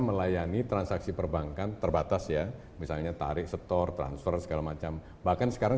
melayani transaksi perbankan terbatas ya misalnya tarik setor transfer segala macam bahkan sekarang